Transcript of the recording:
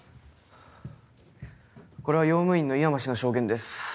これは用務員の井山の証言です。